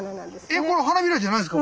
えこれ花びらじゃないんですか？